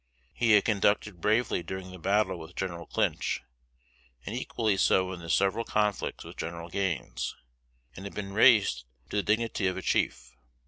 He had conducted bravely during the battle with General Clinch, and equally so in the several conflicts with General Gaines, and had been raised to the dignity of a chief.